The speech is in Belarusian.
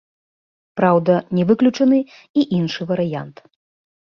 Праўда, не выключаны і іншы варыянт.